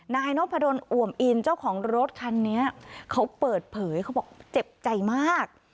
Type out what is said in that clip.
นายนพดลอวมอินเจ้าของรถคันนี้เขาเปิดเผยเขาบอกเจ็บใจมาก